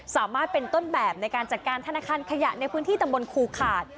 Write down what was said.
สามารถเป็นต้นแบบในการจัดการธนาคารขยะในพื้นที่ตำบลครูขาด